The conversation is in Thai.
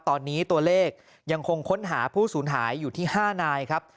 ตอนนี้ตัวเลขยังคงค้นหาผู้สูญหายอยู่ที่๕นายครับ